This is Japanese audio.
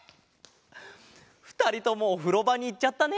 ふたりともおふろばにいっちゃったね。